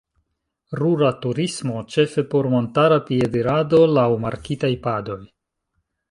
Rura turismo ĉefe por montara piedirado laŭ markitaj padoj.